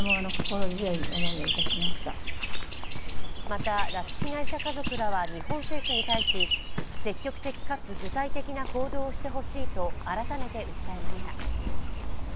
また拉致被害者家族らは日本政府に対し積極的かつ具体的な行動をしてほしいと改めて訴えました。